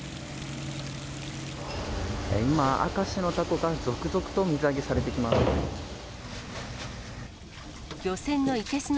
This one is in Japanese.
今、明石のタコが続々と水揚げされてきます。